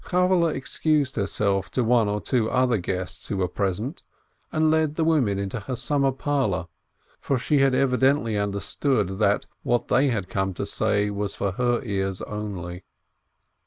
Chavvehle excused herself to one or two other guests who were present, and led the women into her summer parlor, for she had evidently understood that what they had come to say was for her ears only.